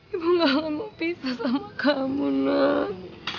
ibu gak mau pisah sama kamu nak